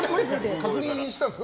確認したんですか？